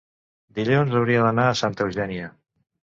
Dilluns hauria d'anar a Santa Eugènia.